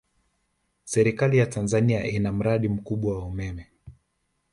Serikali ya Tanzania ina mradi mkubwa wa umeme